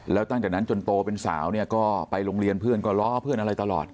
แล้วตั้งแต่นั้นจนโตเป็นสาวเนี่ยก็ไปโรงเรียนเพื่อนก็ล้อเพื่อนอะไรตลอด